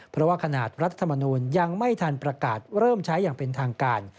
เพราะว่าขนาดรัฐธรรมนูลยังไม่ทันประกาศเริ่มใช้อย่างเป็นทางการ